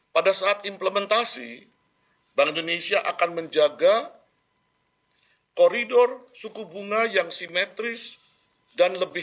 pada saat implementasi bank indonesia akan menjaga koridor suku bunga yang simetris dan lebih